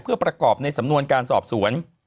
เพื่อประกอบในสำนวนการสอบสวน